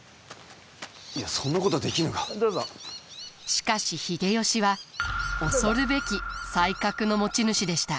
しかし秀吉は恐るべき才覚の持ち主でした。